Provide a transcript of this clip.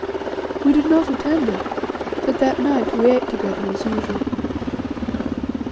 We did not attend it, but that night we ate together as usual.